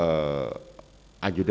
kemudian apa yang disampaikan joshua